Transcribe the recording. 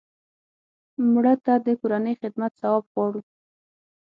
مړه ته د کورنۍ خدمت ثواب غواړو